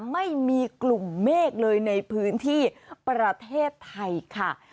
ไม่มีกลุ่มเมฆเลยในพื้นที่ประเทศไทยค่ะ